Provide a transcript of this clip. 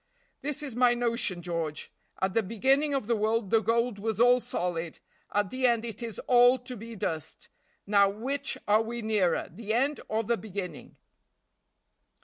This is my notion, George; at the beginning of the world the gold was all solid, at the end it is all to be dust; now which are we nearer, the end or the beginning?"